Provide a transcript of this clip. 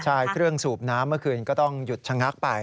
ใช่เครื่องสูบน้ำเมื่อคืนก็ต้องหยุดชะงักไป